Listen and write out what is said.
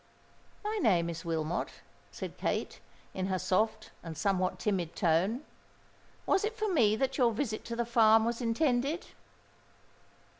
"My name is Wilmot," said Kate, in her soft and somewhat timid tone. "Was it for me that your visit to the farm was intended?"